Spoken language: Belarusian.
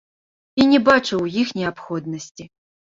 І не бачу ў іх неабходнасці.